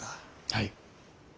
はい。